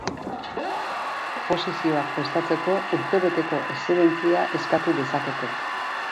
Oposizioak prestatzeko urtebeteko eszedentzia eskatu dezakete.